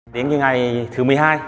đến ngày thứ một mươi hai